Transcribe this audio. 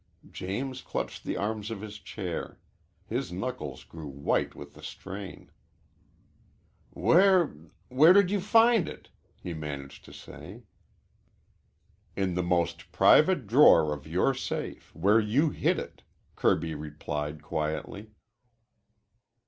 James clutched the arms of his chair. His knuckles grew white with the strain. "Where where did you find it?" he managed to say. "In the most private drawer of your safe, where you hid it," Kirby replied quietly.